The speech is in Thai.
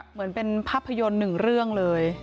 เหมือนเป็นภาพยนตร์หนึ่งเรื่องเลย